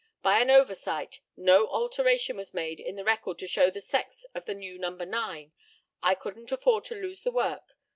By an oversight, no alteration was made in the record to show the sex of the new No. 9. I couldn't afford to lose the work.